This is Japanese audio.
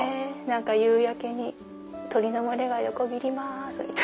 夕焼けに鳥の群れが横切ります。